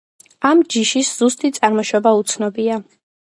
ამ ჯიშის ზუსტი წარმოშობა უცნობია.